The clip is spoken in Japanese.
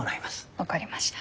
分かりました。